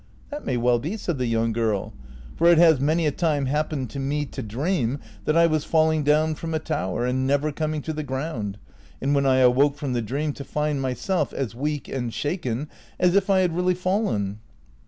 " That may well be," said the young girl, " for it has many a time happened to me to dream that 1 was falling down from a tower and never coming to the ground, and when I awoke from the dream to find myself as weak and shaken as if I had really fallen."